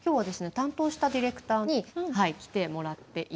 担当したディレクターにはい来てもらっています。